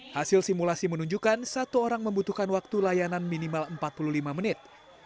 hasil simulasi menunjukkan satu orang membutuhkan waktu layanan minimal empat puluh lima menit